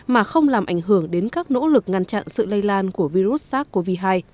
mà không làm ảnh hưởng đến các nỗ lực ngăn chặn sự lây lan của virus sars cov hai